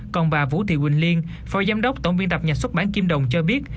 còn bà vũ thị quỳnh liên phó giám đốc tổng biên tập nhà xuất bản kim đồng cho biết